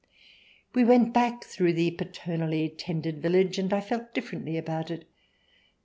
We went back through the paternally tended village, and I felt differently about it.